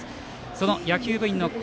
その野球部員の声。